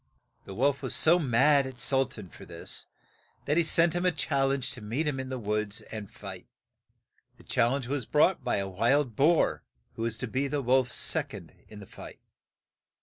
The wolf was so mad at Sul tan for this that he sent him a chal lenge to meet him in the woods and fight. The chal lenge was brought by a wild boar, who was to be the wolf's sec ond in the fight.